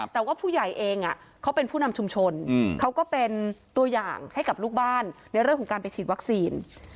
แต่ว่าผู้ใหญ่เองเขาเป็นผู้นำชุมชนเขาก็เป็นตัวอย่างให้กับลูกบ้านในเรื่องของการไปฉีดวัคซีน